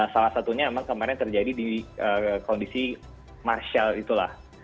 salah satunya memang kemarin terjadi di kondisi marshall itulah